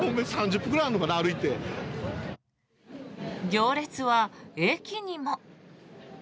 行列は駅にも。